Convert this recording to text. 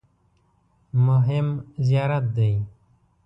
مهم زیارت دی.